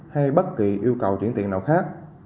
hay bất kỳ yêu cầu chuyển tiền nào khác